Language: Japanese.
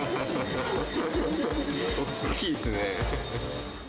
おっきいっすね。